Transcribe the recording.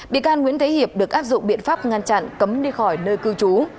bị can nguyễn thế hiệp được áp dụng biện pháp ngăn chặn cấm đi khỏi nơi cư trú